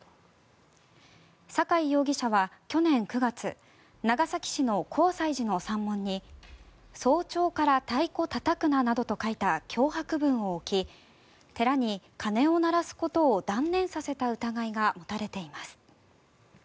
酒井容疑者は去年９月長崎市の広済寺の山門に早朝から太鼓たたくななどと書いた脅迫文を置き寺に鐘を鳴らすことを断念させた疑いが持たれています。